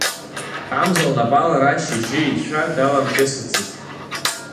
Амза лнапала Рашь ижьы-ицәа даламкьысыцызт.